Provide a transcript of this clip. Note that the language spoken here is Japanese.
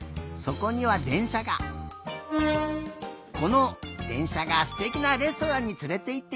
このでんしゃがすてきなレストランにつれていってくれるよ。